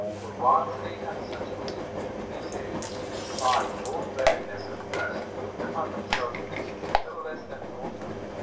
For whilst they had such a king, they said they defied both weariness and thirst, looked upon themselves to be Uttle less than immortal.